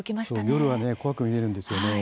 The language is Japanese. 夜は怖く見えるんですよね。